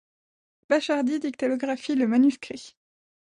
Bachardy dactylographie le manuscrit.